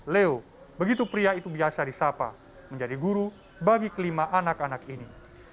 leo begitu pria itu biasa disapa menjadi guru bagi kelima anak anak ini